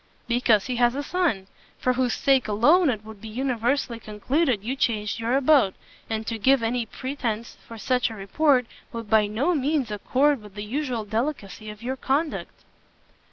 "Because he has a son; for whose sake alone it would be universally concluded you changed your abode: and to give any pretence for such a report, would by no means accord with the usual delicacy of your conduct."